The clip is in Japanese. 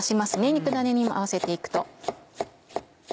肉ダネに合わせて行くと。